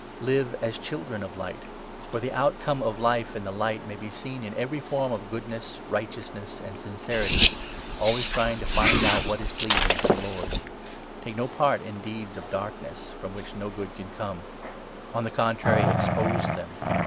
Live as ' Children of Light '— for the outcome of life in the Light 9 may be seen in every form of goodness, righteousness, and sincerity — always trying to find out what is pleasing to the 10 Lord. Take no part in deeds of Darkness, from which n no good can come ; on the contrary, expose them.